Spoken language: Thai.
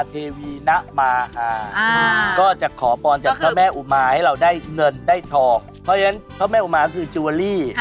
เพราะฉะนั้นเจ้าแม่อุมาคือจิวิลลี่